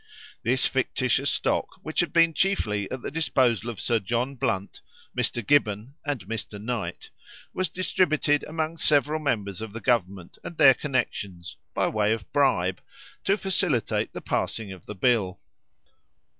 This fictitious stock, which had been chiefly at the disposal of Sir John Blunt, Mr. Gibbon, and Mr. Knight, was distributed among several members of the government and their connexions, by way of bribe, to facilitate the passing of the bill.